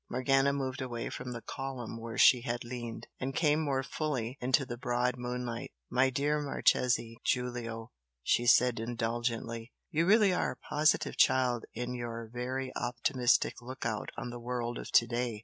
Morgana moved away from the column where she had leaned, and came more fully into the broad moonlight. "My dear Marchese Giulio!" she said, indulgently, "You really are a positive child in your very optimistic look out on the world of to day!